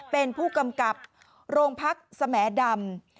เป็นผู้กำกับโรงพักสแหมดำ